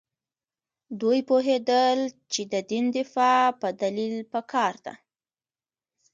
دوی پوهېدل چې د دین دفاع په دلیل پکار ده.